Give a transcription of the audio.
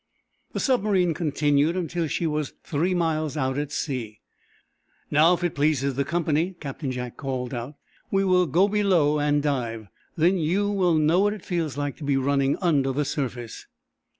The submarine continued until she was three miles out at sea. "Now, if it pleases the company," Captain Jack called out, "we will go below and dive. Then you, will know what it feels like to be running under the surface."